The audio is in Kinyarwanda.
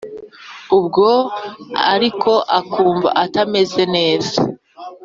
ubwo ariko akumva atameze neza,